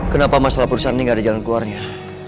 kenapa masalah perusahaan ini gak ada jalan keluarnya